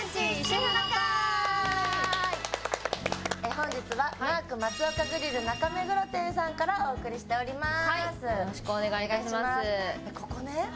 本日はマークマツオカグリル中目黒さんからお送りしております。